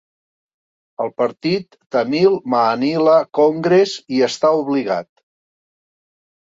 El partit, Tamil Maanila Congress, hi està obligat.